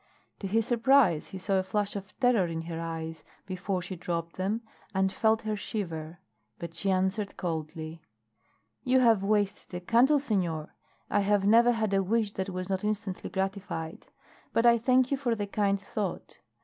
To his surprise he saw a flash of terror in her eyes before she dropped them, and felt her shiver. But she answered coldly: "You have wasted a candle, senor. I have never had a wish that was not instantly gratified. But I thank you for the kind thought.